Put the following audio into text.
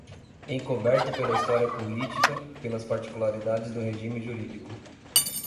encoberto pela história política, pelas particularidades do regime jurídico